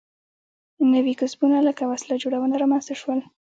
نوي کسبونه لکه وسله جوړونه رامنځته شول.